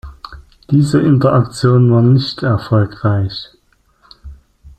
Diese Interaktion war nicht erfolgreich.